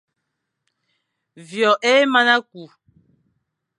Vyo é mana kü,